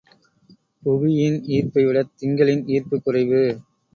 புவியின் ஈர்ப்பைவிடத் திங்களின் ஈர்ப்பு குறைவு.